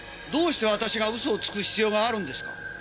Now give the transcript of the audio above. どうして私が嘘をつく必要があるんですか？